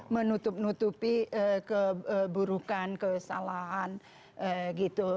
menutup nutupi keburukan kesalahan gitu